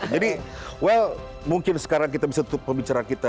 jadi mungkin sekarang kita bisa tutup pembicaraan kita